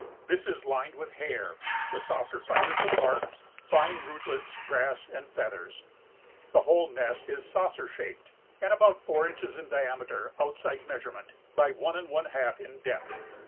This is lined with hair, the softer fibers of bark, fine rootlets, grass and feathers. The whole nest is saucer shaped and about four inches in diameter, outside measurement, by one and one half in depth.